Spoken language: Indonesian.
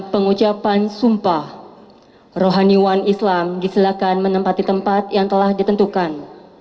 pengucapan sumpah rohaniwan islam disilakan menempati tempat yang telah ditentukan